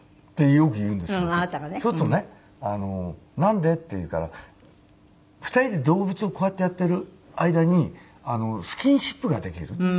そうするとね「なんで？」って言うから２人で動物をこうやってやってる間にスキンシップができるっていう。